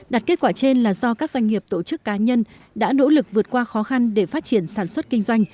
đạt kết quả trên là do các doanh nghiệp tổ chức cá nhân đã nỗ lực vượt qua khó khăn để phát triển sản xuất kinh doanh